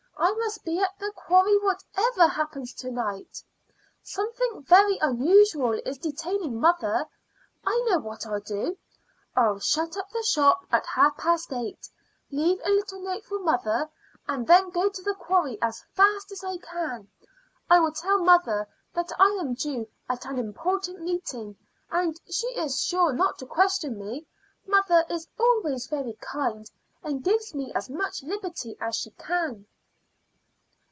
I must be at the quarry whatever happens to night. Something very unusual is detaining mother. I know what I'll do: I'll shut up the shop at half past eight, leave a little note for mother, and then go to the quarry as fast as I can. I will tell mother that I am due at an important meeting, and she is sure not to question me; mother is always very kind, and gives me as much liberty as she can."